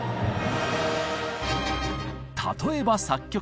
例えば作曲家。